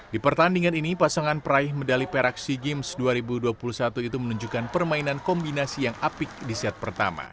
di pertandingan ini pasangan peraih medali perak sea games dua ribu dua puluh satu itu menunjukkan permainan kombinasi yang apik di set pertama